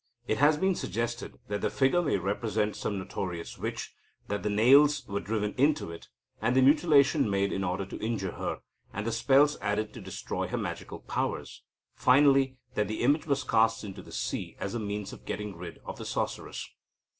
It has been suggested that the figure may represent some notorious witch; that the nails were driven into it, and the mutilation made in order to injure her, and the spells added to destroy her magical powers; finally, that the image was cast into the sea as a means of getting rid of the sorceress.